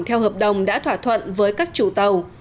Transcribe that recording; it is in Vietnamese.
theo hợp đồng đã thỏa thuận với các chủ tàu